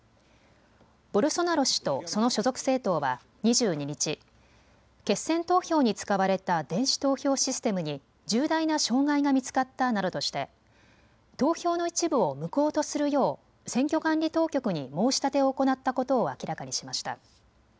ボルソナロ氏とその所属政党は２２日、決選投票に使われた電子投票システムに重大な障害が見つかったなどとして、投票の一部を無効とするよう選挙管理当局に申し立てを行ったことを明らかにしました。